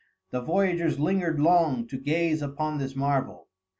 The voyagers lingered long to gaze upon this marvel.